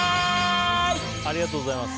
ありがとうございます。